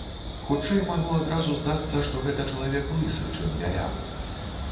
Хутчэй магло адразу здацца, што гэта чалавек лысы, чым бялявы.